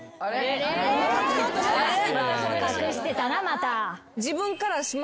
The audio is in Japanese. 隠してたなまた。